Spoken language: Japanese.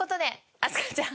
飛鳥ちゃん！